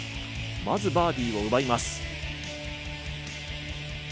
まずバーディーを奪います。